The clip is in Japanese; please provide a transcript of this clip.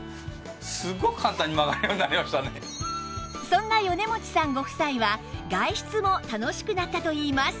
そんな米持さんご夫妻は外出も楽しくなったといいます